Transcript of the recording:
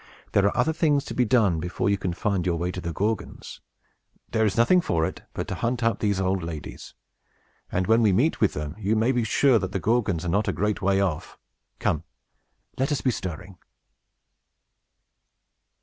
"There are other things to be done, before you can find your way to the Gorgons. There is nothing for it but to hunt up these old ladies; and when we meet with them, you may be sure that the Gorgons are not a great way off. Come, let us be stirring!"